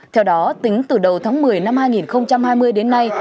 theo đó tính từ đầu tháng một mươi năm hai nghìn hai mươi đến nay